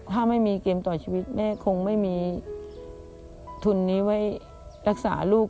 ถ้าไม่มีเกมต่อชีวิตแม่คงไม่มีทุนนี้ไว้รักษาลูก